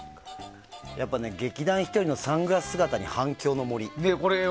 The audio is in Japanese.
やっぱりね、劇団ひとりのサングラス姿に反響の森。